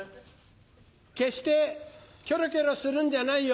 決してキョロキョロするんじゃないよ。